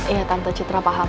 iya tante citra paham